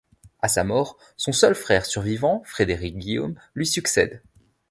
À sa mort, son seul frère survivant, Frédéric-Guillaume, lui succède.